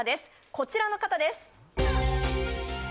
こちらの方です